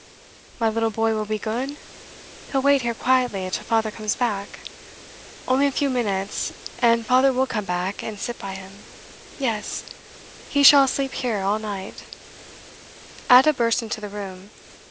'My little boy will be good? He'll wait here, quietly, till father comes back? Only a few minutes, and father will come back, and sit by him. Yes he shall sleep here, all night ' Ada burst into the room.